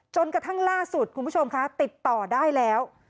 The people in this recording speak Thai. จนกระทั่งล่าสุดคุณผู้ชมคะติดต่อได้แล้ว